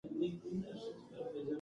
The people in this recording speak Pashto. باید منصفانه ښوونه وي.